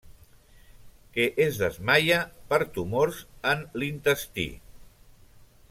Que es desmaia per tumors en l'intestí.